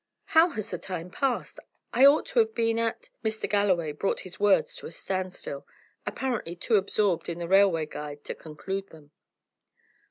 How has the time passed? I ought to have been at " Mr. Galloway brought his words to a standstill, apparently too absorbed in the railway guide to conclude them.